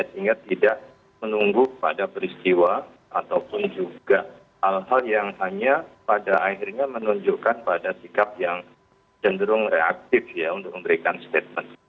sehingga tidak menunggu pada peristiwa ataupun juga hal hal yang hanya pada akhirnya menunjukkan pada sikap yang cenderung reaktif ya untuk memberikan statement